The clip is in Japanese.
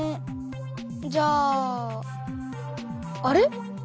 じゃああれ？